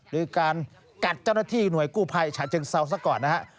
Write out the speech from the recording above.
หรือการกัดเจ้าหน้าที่หน่วยกู้ภัยฉะเชิงเซาซะก่อนนะฮะ